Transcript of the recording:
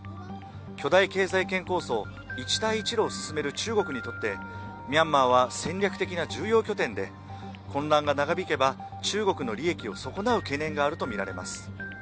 巨大経済圏構想・一帯一路を進める中国にとってミャンマーは戦略的な重要拠点で混乱が長引けば中国の利益を損なう懸念があるとみられます。